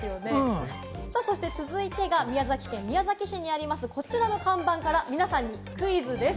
そして続いてが、宮崎県宮崎市にあります、こちらの看板から皆さんにクイズです。